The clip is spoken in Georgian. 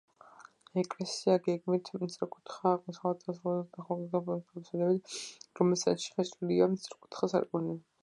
ეკლესია გეგმით სწორკუთხაა, აღმოსავლეთით დასრულებულია ნახევარწრიული ფორმის აბსიდით, რომლის ცენტრში გაჭრილია სწორკუთხა სარკმელი.